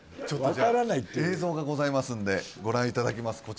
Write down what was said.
ちょっとじゃあ映像がございますんでご覧いただきます